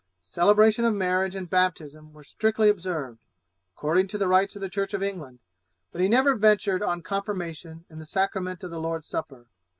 The celebration of marriage and baptism were strictly observed, according to the rites of the Church of England, but he never ventured on confirmation and the sacrament of the Lord's Supper.